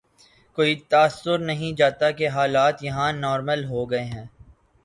کوئی تاثر نہیں جاتا کہ حالات یہاں نارمل ہو گئے ہیں۔